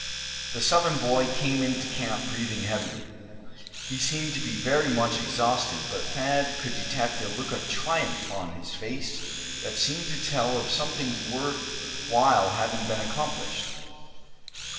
The Southern boy came into camp, breathing heavily. He seemed to be very much exhausted, but Thad could detect a look of triumph on his face that seemed to tell of something worth while having been accomplished.